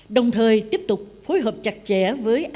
đồng thời tiếp tục phối hợp chặt chẽ với